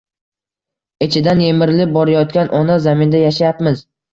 Ichidan yemirilib borayotgan Ona zaminda yashayapmiz